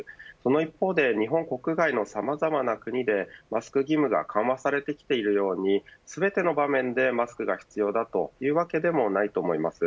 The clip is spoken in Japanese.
一方で日本国外のさまざまな国でマスク義務が緩和されているように全ての場面でマスクが必要だというわけではないと思います。